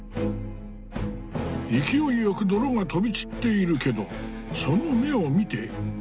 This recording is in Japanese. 勢いよく泥が飛び散っているけどその目を見て。